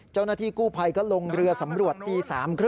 เจ้าหน้าที่กู้ภัยก็ลงเรือสำรวจตี๓๓๐